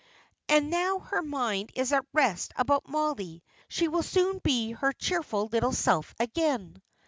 And now her mind is at rest about Mollie, she will soon be her cheerful little self again."